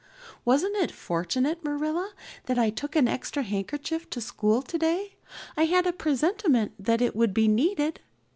"Wasn't it fortunate, Marilla, that I took an extra handkerchief to school today? I had a presentiment that it would be needed."